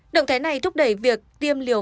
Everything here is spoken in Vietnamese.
động thái này thúc đẩy việc tiêm liều